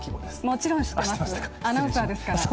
もちろん知ってます、アナウンサーですから。